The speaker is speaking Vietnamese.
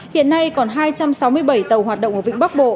hiện nay còn hai trăm sáu mươi bảy tàu hoạt động ở vĩnh bắc bộ